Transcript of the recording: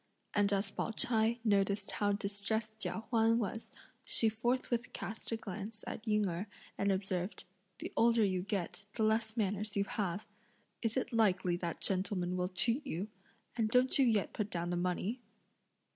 And as Pao ch'ai noticed how distressed Chia Huan was, she forthwith cast a glance at Ying Erh and observed: "The older you get, the less manners you have! Is it likely that gentlemen will cheat you? and don't you yet put down the money?"